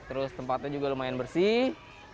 terus tempatnya juga lumayan bersih